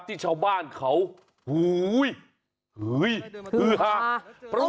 ที่ชาวบ้านเขาหูยหื้อฮ่า